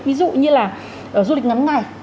ví dụ như là du lịch ngắn ngày